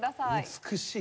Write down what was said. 美しい！